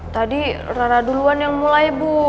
tadi rara duluan yang mulai bu